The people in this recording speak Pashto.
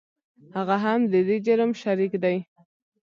هغه هم د دې جرم شریک دی .